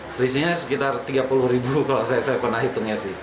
selisihnya sekitar tiga puluh ribu kalau saya pernah hitungnya sih